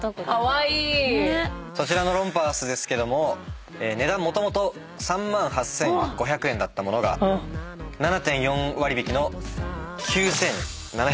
そちらのロンパースですけども値段もともと３万８，５００円だった物が７．４割引きの９，７２０円。